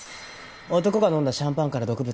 男が飲んだシャンパンから毒物が。